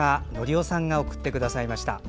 夫さんが送ってくださいました。